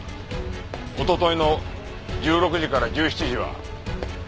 一昨日の１６時から１７時は？